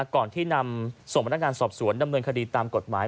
ก่อนที่นำส่งพนักงานสอบสวนดำเนินคดีตามกฎหมาย